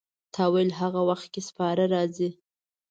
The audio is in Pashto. تا ویل هغه وخت کې سپاره راځي.